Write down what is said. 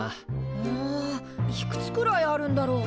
うんいくつくらいあるんだろう？